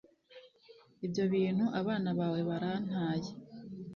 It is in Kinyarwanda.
ibyo bintu abana bawe barantaye